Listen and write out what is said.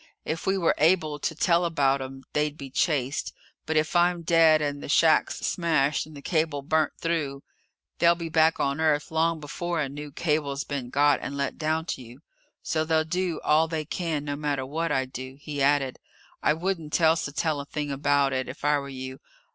If we were able to tell about 'em, they'd be chased. But if I'm dead and the shacks smashed and the cable burnt through, they'll be back on Earth long before a new cable's been got and let down to you. So they'll do all they can no matter what I do." He added, "I wouldn't tell Sattell a thing about it, if I were you.